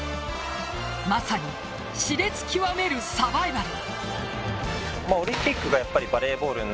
まさに熾烈極めるサバイバル。